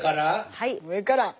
はい上から。